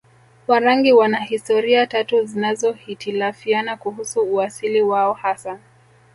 Warangi wana historia tatu zinazohitilafiana kuhusu uasili wao hasa